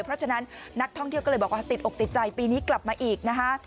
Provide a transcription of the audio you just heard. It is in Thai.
เพราะฉะนั้นนักท่องเที่ยวก็เลยบอกว่าติดอกติดใจปีนี้กลับมาอีกนะคะ